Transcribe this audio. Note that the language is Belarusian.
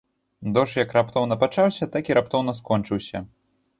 Дождж як раптоўна пачаўся, так і раптоўна скончыўся.